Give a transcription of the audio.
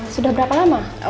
sudah berapa lama